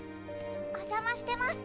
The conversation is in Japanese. お邪魔してます。